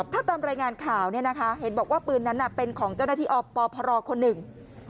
ถ้าตามรายงานข่าวเนี่ยนะคะเห็นบอกว่าปืนนั้นเป็นของเจ้าหน้าที่อปพรคนหนึ่ง